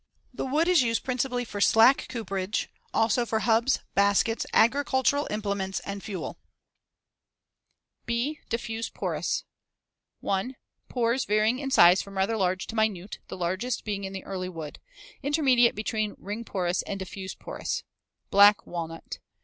The wood is used principally for slack cooperage; also for hubs, baskets, agricultural implements, and fuel. [Illustration: FIG. 151. (Magnified about 8 times.)] B. Diffuse porous. 1. Pores varying in size from rather large to minute, the largest being in the early wood. Intermediate between ring porous and diffuse porous. Black Walnut.